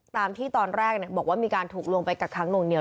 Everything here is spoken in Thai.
ตามที่ตอนแรกบอกว่ามีการถูกลวงไปกักค้างหน่วงเหนีย